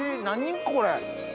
何これ。